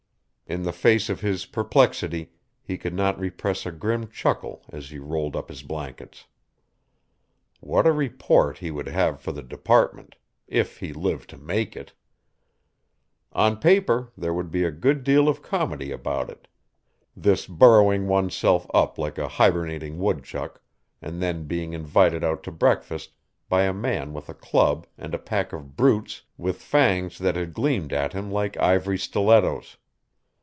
In the face of his perplexity he could not repress a grim chuckle as he rolled up his blankets. What a report he would have for the Department if he lived to make it! On paper there would be a good deal of comedy about it this burrowing oneself up like a hibernating woodchuck, and then being invited out to breakfast by a man with a club and a pack of brutes with fangs that had gleamed at him like ivory stilettos.